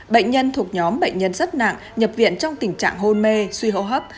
bệnh nhân thuộc nhóm bệnh nhân rất nặng nhập viện trong tình trạng hôn mê suy hô hấp